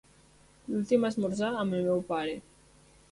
L'últim esmorzar amb el meu pare.